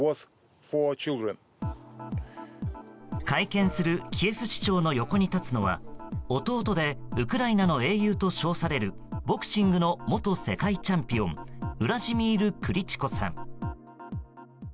会見するキエフ市長の横に立つのは弟でウクライナの英雄と称されるボクシングの元世界チャンピオンウラジミール・クリチコさん。